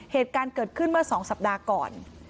เหตุการณ์เกิดขึ้นเมื่อ๒สัปดาห์ก่อน